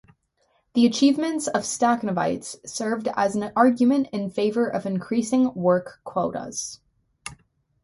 The achievements of Stakhanovites served as an argument in favor of increasing work quotas.